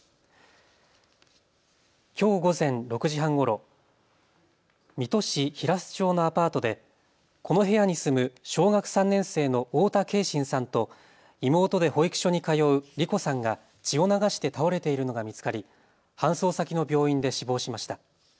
きょう午前６時半ごろ、水戸市平須町のアパートでこの部屋に住む小学３年生の太田継真さんと妹で保育所に通う梨心さんが血を流して倒れているのが見つかり搬送先の病院で死亡しました。